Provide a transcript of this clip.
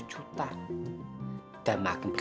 itu tidak adil